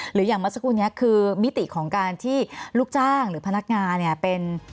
หรืออย่างมาสักครู่นี้คือมิติของการที่ลูกจ้างหรือพนักงาน